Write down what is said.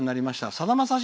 さだまさし